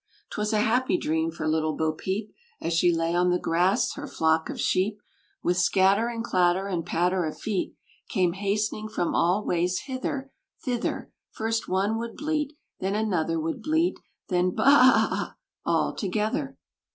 'Twas a happy dream for little Bo Peep; As she lay on the grass, her flock of sheep, With scatter and clatter and patter of feet, Came hastening from all ways hither, thither; First one would bleat, then another would bleat, Then "b a a a a!" all together!